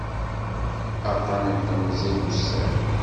Aṭṭan n temẓi d ussan.